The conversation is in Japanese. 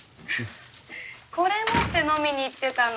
これ持って飲みにいってたの？